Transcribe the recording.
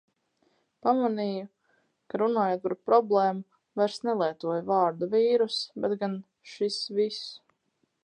Pamanīju, ka runājot par problēmu, vairs nelietoju vārdu vīruss, bet gan "šis viss".